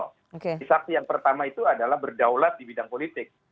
hisaksi yang pertama itu adalah berdaulat di bidang politik